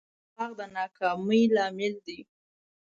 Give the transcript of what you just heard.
دروغ د ناکامۍ لامل دي.